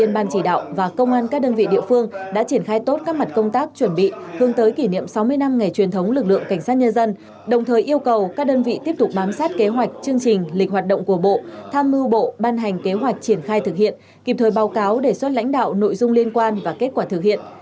ban chỉ đạo và công an các đơn vị địa phương đã triển khai tốt các mặt công tác chuẩn bị hướng tới kỷ niệm sáu mươi năm ngày truyền thống lực lượng cảnh sát nhân dân đồng thời yêu cầu các đơn vị tiếp tục bám sát kế hoạch chương trình lịch hoạt động của bộ tham mưu bộ ban hành kế hoạch triển khai thực hiện kịp thời báo cáo đề xuất lãnh đạo nội dung liên quan và kết quả thực hiện